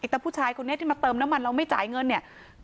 แต่ผู้ชายคนนี้ที่มาเติมน้ำมันเราไม่จ่ายเงินเนี่ย